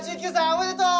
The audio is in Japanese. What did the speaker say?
おめでとう！